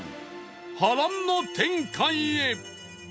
波乱の展開へ